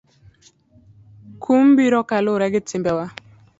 Kum biro kaluwore gi timbewa.